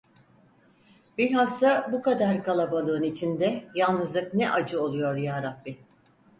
Bilhassa bu kadar kalabalığın içinde yalnızlık ne acı oluyor yarabbi!